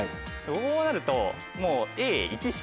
こうなるともう。